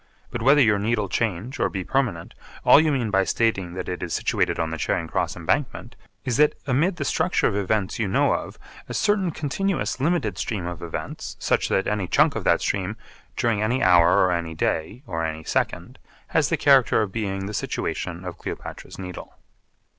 But whether your Needle change or be permanent, all you mean by stating that it is situated on the Charing Cross Embankment, is that amid the structure of events you know of a certain continuous limited stream of events, such that any chunk of that stream, during any hour, or any day, or any second, has the character of being the situation of Cleopatra's Needle.